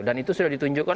dan itu sudah ditunjukkan